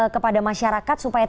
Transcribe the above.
kepada masyarakat supaya